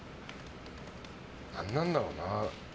何なんだろうな。